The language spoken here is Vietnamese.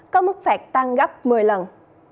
có mức phạt tăng gấp một mươi lần